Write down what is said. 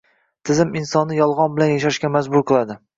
Tizim insonni yolg‘on bilan yashashga majbur qiladi